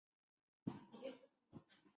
这所公立大学的主校园位于莫卡区。